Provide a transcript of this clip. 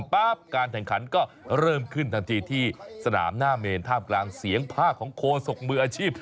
การแข่งขันก็เริ่มขึ้นทันทีที่สนามหน้าเมนท่ามกลางเสียงภาคของโคศกมืออาชีพ